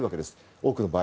多くの場合。